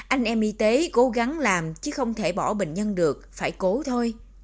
anh em y tế cố gắng làm chứ không thể bỏ bệnh nhân được phải cố thôi